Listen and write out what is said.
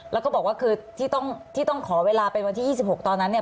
แล้วก็บอกว่าคือที่ต้องขอเวลาเป็นวันที่๒๖ตอนนั้นเนี่ย